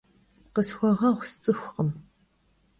Khısxueğueğu, sts'ıxukhım.